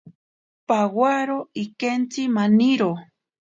Paworo ikentziri maniro.